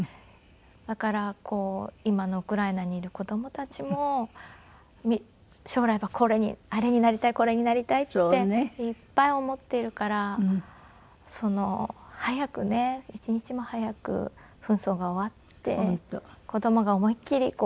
だから今のウクライナにいる子供たちも将来あれになりたいこれになりたいっていっぱい思っているから早くね一日も早く紛争が終わって子供が思いっきり遊んで。